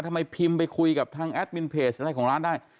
ทำไมพิมพ์ไปคุยกับทางแอดมินเพจอะไรของร้านได้